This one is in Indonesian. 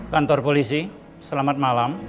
kantor polisi selamat malam